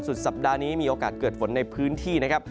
สัปดาห์นี้มีโอกาสเกิดฝนในพื้นที่นะครับ